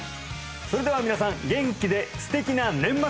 それでは皆さん元気で素敵な年末を！